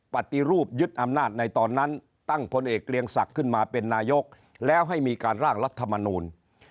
ปฏิรูปยึดอำนาจในตอนนั้นตั้งพลเอกเกรียงศักดิ์ขึ้นมาเป็นนายกแล้วให้มีการร่างรัฐมนูล